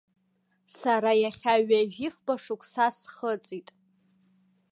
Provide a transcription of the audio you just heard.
Сара иахьа ҩажәифба шықәса схыҵит.